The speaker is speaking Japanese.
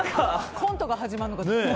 コント始まるのかな？